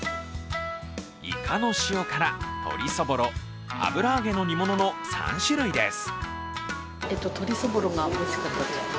いかの塩辛、鶏そぼろ、油揚げの煮物の３種類です。